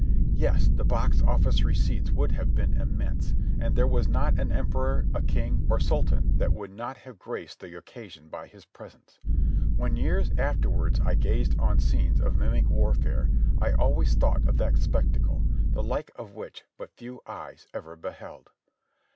Yes, the box oflice receipts would have been immense, and there was not an emperor, a king, or sultan that would not have graced the occasion by his presence. When years afterwards I gazed on scenes of mimic warfare I always thought of that spectacle, the like of which but few eyes ever beheld.